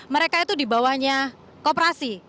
mereka itu dibawahnya koperasi